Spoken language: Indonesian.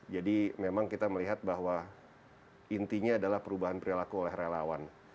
memang kita melihat bahwa intinya adalah perubahan perilaku oleh relawan